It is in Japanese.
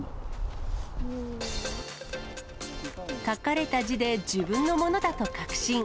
書かれた字で自分のものだと確信。